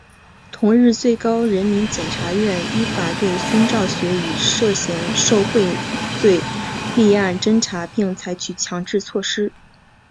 同日最高人民检察院依法对孙兆学以涉嫌受贿罪立案侦查并采取强制措施。